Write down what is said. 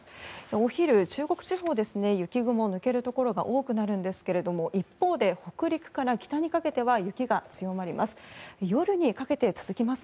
お昼、中国地方雪雲が抜けるところが多くなるんですが一方で北陸から北にかけては雪が強まります。